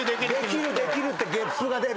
できるできるってげっぷが出る。